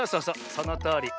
そのとおり。